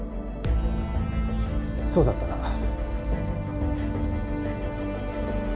そうだったな。